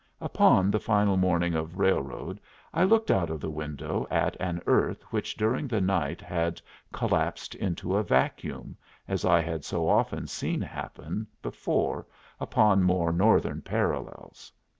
Upon the final morning of railroad I looked out of the window at an earth which during the night had collapsed into a vacuum, as I had so often seen happen before upon more Northern parallels.